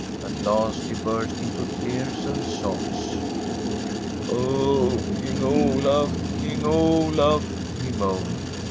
A: lasi he burst into tears and sobs. •Oh, King Olaf! King Olaf!' he moaned.